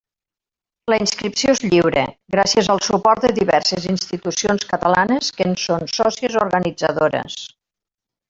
La inscripció es lliure, gràcies al suport de diverses institucions catalanes que en són sòcies organitzadores.